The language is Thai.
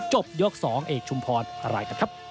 จบยก๒เอกชุมพรอะไรกันครับ